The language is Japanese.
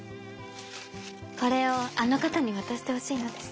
これをあの方に渡してほしいのです。